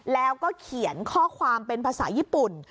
แล้วก็เขียนข้อความเป็นภาษาญี่ปุ่น